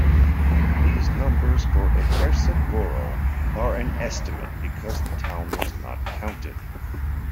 These numbers for Ejersa Goro are an estimate, because the town was not counted.